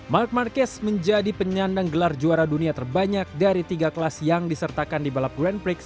mark marquez menjadi penyandang gelar juara dunia terbanyak dari tiga kelas yang disertakan di balap grand prix